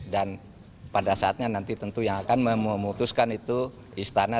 dan pada saatnya nanti tentu yang akan memutuskan itu istana